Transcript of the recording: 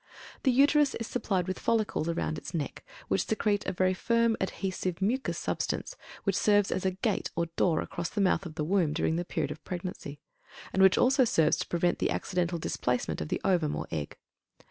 The Uterus is supplied with follicles around its neck which secrete a very firm, adhesive mucus substance, which serves as a gate or door across the mouth of the womb during the period of pregnancy, and which also serves to prevent the accidental displacement of the ovum or egg.